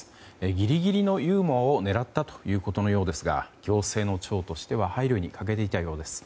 ギリギリのユーモアを狙ったということのようですが行政の長としては配慮に欠けていたようです。